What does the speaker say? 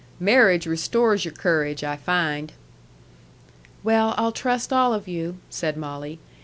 "Marriage restores your courage, I find." "Well, I'll trust all of you," said Molly.